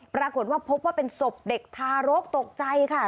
ปรากฏว่าพบว่าเป็นศพเด็กทารกตกใจค่ะ